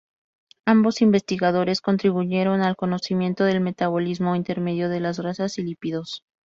Ambos investigadores contribuyeron al conocimiento del metabolismo intermedio de las grasas y lípidos.